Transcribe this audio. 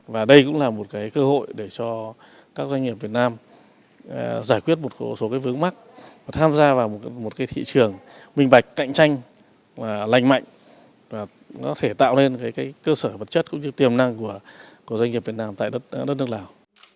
và đây cũng là một cơ hội để cho các doanh nghiệp việt nam giải quyết một số cái vướng mắt tham gia vào một thị trường minh bạch cạnh tranh lành mạnh và có thể tạo lên cơ sở vật chất cũng như tiềm năng của doanh nghiệp việt nam tại đất nước lào